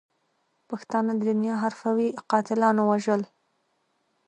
پښتانه د دنیا حرفوي قاتلاتو وژل.